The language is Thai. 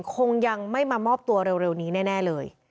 คงยังไม่มามอบตัวเร็วนี้แน่เลย